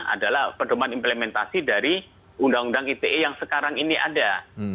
adalah pedoman implementasi dari undang undang ite yang sekarang ini ada